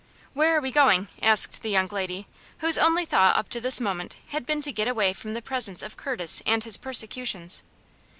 "Where are we going?" asked the young lady, whose only thought up to this moment had been to get away from the presence of Curtis and his persecutions.